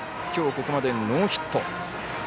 きょうここまでノーヒット。